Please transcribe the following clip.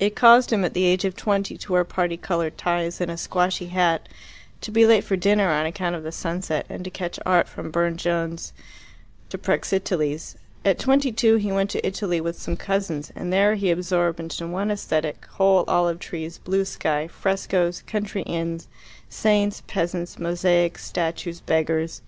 It caused him at the age of twenty to wear parti coloured ties and a squashy hat, to be late for dinner on account of the sunset, and to catch art from Burne Jones to Praxiteles. At twenty two he went to Italy with some cousins, and there he absorbed into one aesthetic whole olive trees, blue sky, frescoes, country inns, saints, peasants, mosaics, statues, beggars.